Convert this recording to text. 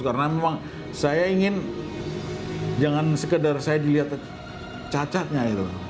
karena memang saya ingin jangan sekedar saya dilihat cacatnya itu